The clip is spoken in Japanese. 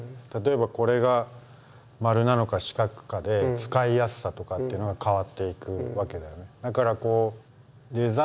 例えばこれが丸なのか四角かで使いやすさとかっていうのが変わっていくわけだよね。